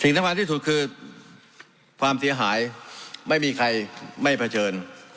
สำคัญที่สุดคือความเสียหายไม่มีใครไม่เผชิญ